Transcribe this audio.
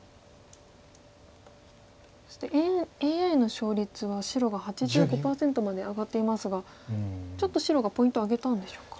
そしてＡＩの勝率は白が８５％まで上がっていますがちょっと白がポイントを挙げたんでしょうか。